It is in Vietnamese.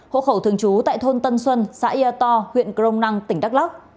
hộ khẩu thường trú tại thôn tân xuân xã yêu to huyện công năng tỉnh đắk lắc